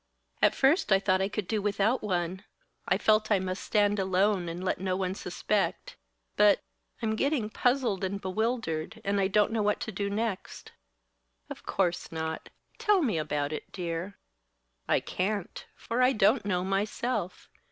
"At first I thought I could do without one. I felt I must stand alone, and let no one suspect. But I'm getting puzzled and bewildered, and I don't know what to do next." "Of course not. Tell me about it, dear." "I can't; for I don't know, myself."